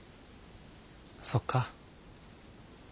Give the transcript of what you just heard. そっか。